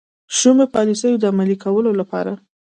شومو پالیسیو د عملي کولو لپاره.